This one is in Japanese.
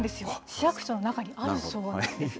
市役所の中にあるそうなんです。